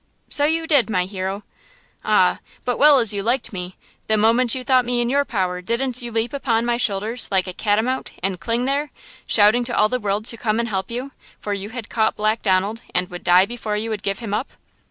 "So you did, my hero!" "Ah, but well as you liked me, the moment you thought me in your power didn't you leap upon my shoulders like a catamount and cling there, shouting to all the world to come and help you, for you had caught Black Donald and would die before you would give him up?